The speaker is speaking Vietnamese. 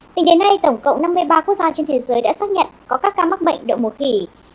tính đến nay tổng cộng năm mươi ba quốc gia trên thế giới đã xác nhận có các ca mắc bệnh đậu mùa khỉ